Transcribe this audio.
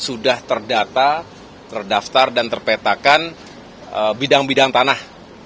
sudah terdata terdaftar dan terpetakan bidang bidang tanah